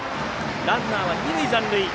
ランナーは二塁残塁。